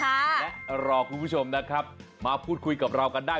และรอคุณผู้ชมนะครับมาพูดคุยกับเรากันได้